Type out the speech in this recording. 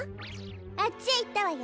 あっちへいったわよ。